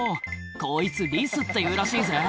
「こいつリスっていうらしいぜ」